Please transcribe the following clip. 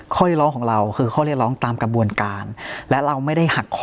ข้อเรียกร้องของเราคือข้อเรียกร้องตามกระบวนการและเราไม่ได้หักคอ